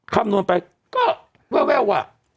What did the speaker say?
คำนวณไปเว้ว